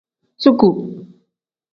Zuuku.